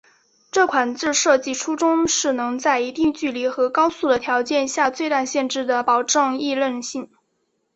这款字设计初衷是能在一定距离和高速的条件下最大限度地保证易认性。